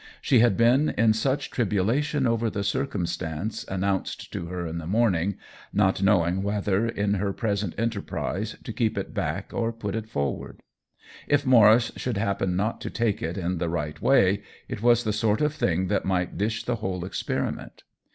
She had been in much tribulation over the circumstance announced to her in the morning, not know ing whether, in her present enterprise, to keep it back or put it forward. If Maurice should happen not to take it in the right way, it was the sort of thing that might dish the whole experiment.